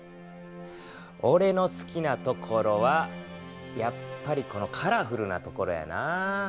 おれの好きなところはやっぱりこのカラフルなところやなぁ。